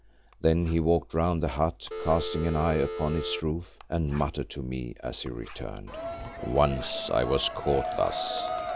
Then he walked round the hut casting an eye upon its roof, and muttered to me as he returned. "Once I was caught thus.